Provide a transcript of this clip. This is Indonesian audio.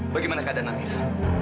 bagaimana keadaan amira